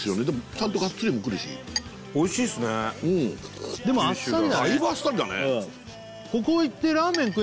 ちゃんとガッツリもくるしおいしいっすねでもあっさりだねだいぶあっさりだね